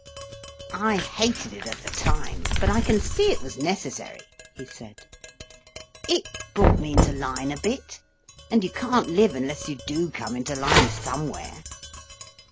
"I hated it at the time, but I can see it was necessary," he said. "It brought me into line a bit—and you can't live unless you do come into line somewhere."